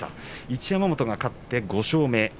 一山本勝って５勝目です。